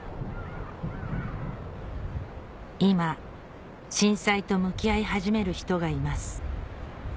今震災と向き合い始める人がいます